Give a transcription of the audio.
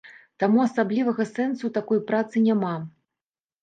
Таму асаблівага сэнсу ў такой працы няма.